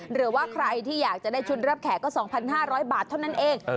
หรือว่าใครที่อยากจะได้ชุดรับแขกก็๒๕๐๐บาทเท่านั้นเอง